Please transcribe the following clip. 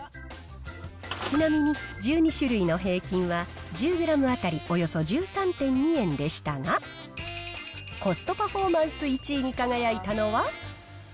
ちなみに、１２種類の平均は、１０グラム当たりおよそ１３．２円でしたが、コストパフォーマンス１位に輝いたのは。